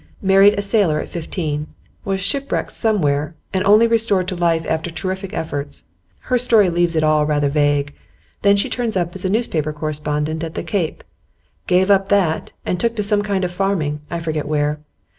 Married a sailor at fifteen. Was shipwrecked somewhere, and only restored to life after terrific efforts; her story leaves it all rather vague. Then she turns up as a newspaper correspondent at the Cape. Gave up that, and took to some kind of farming, I forget where.